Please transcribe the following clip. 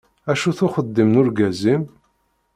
Acu-t uxeddim n urgaz-im?